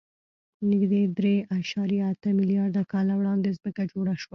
نږدې درې اعشاریه اته میلیارده کاله وړاندې ځمکه جوړه شوه.